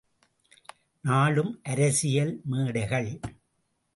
நாளும் அரசியல் மேடைகள்!